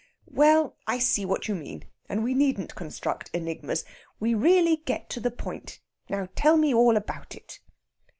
Well, I see what you mean, and we needn't construct enigmas. We really get to the point. Now tell me all about it."